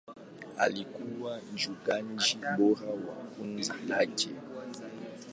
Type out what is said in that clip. Alikuwa mchungaji bora wa kundi lake.